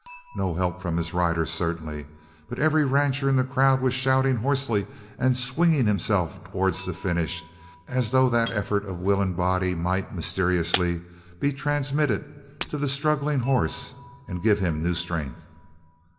No help from his rider certainly, but every rancher in the crowd was shouting hoarsely and swinging himself towards the finish as though that effort of will and body might, mysteriously, be transmitted to the struggling horse and give him new strength.